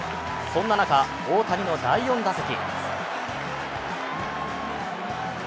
そんな中、大谷の第４打席。